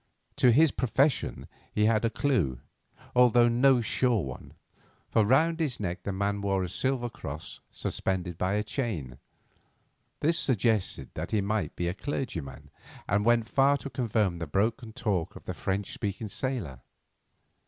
To his profession he had a clue, although no sure one, for round his neck the man wore a silver cross suspended by a chain. This suggested that he might be a clergyman, and went far to confirm the broken talk of the French speaking sailor.